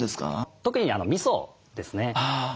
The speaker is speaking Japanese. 特にみそですね。